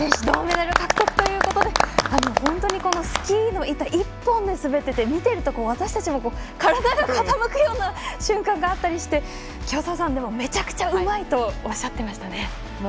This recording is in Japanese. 銅メダル獲得ということで本当にスキーの板１本で滑っていて見ていると、私たちも体が傾くような瞬間があったりして清澤さんはめちゃくちゃうまいとおっしゃっていましたね。